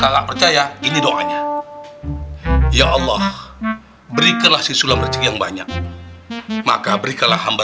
kagak percaya ini doanya ya allah berikanlah siswam rezeki yang banyak maka berikanlah hamba